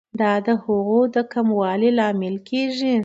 دا د هغوی د کموالي لامل کیږي.